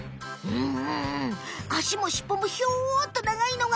うん。